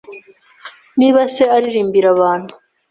Niba Se Aririmbira Abantu